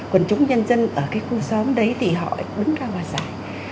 quần chúng dân dân ở khu xóm đấy thì họ đứng ra và giải